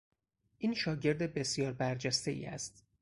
این شاگرد بسیار برجستهای است.